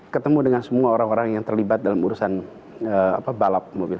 ketemu dengan semua orang orang yang terlibat dalam urusan balap mobil